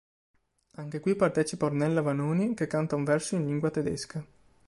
Anche qui partecipa Ornella Vanoni che canta un verso in lingua tedesca.